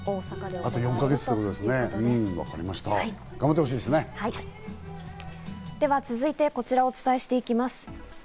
では続いてはこちらをお伝えしていきます。